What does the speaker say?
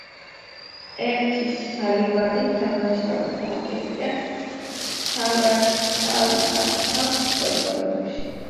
ერთი, სალივანი, დამნაშავეთა აგენტია სამართალდამცავ ორგანოებში.